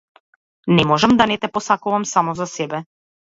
Не можам да не те посакувам само за себе!